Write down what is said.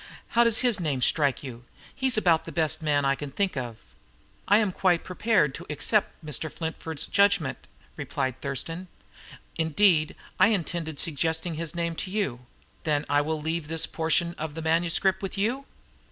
"How does his name strike you? He's about the best man I can think of." "I am quite prepared to accept Mr. Flintford's judgment," replied Thurston. "Indeed, I intended suggesting his name to you. Then I will leave this portion of the manuscript with you?"